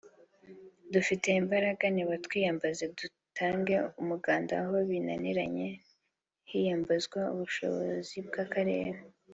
Dufite imbaraga nibatwiyambaze dutange umuganda aho binaniranye hiyambazwe ubushobozi bw’akarere